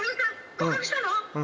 合格したの？